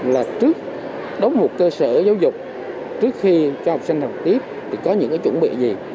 là trước đóng một cơ sở giáo dục trước khi cho học sinh học tiếp thì có những chuẩn bị gì